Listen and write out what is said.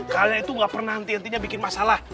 kalian itu gak pernah nanti nantinya bikin masalah